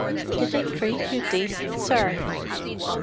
"Did they treat you decent, sir?"